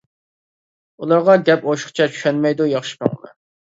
ئۇلارغا گەپ ئوشۇقچە، چۈشەنمەيدۇ ياخشى كۆڭۈلنى.